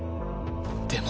でも